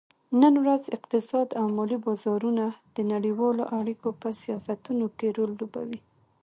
نن ورځ اقتصاد او مالي بازارونه د نړیوالو اړیکو په سیاستونو کې رول لوبوي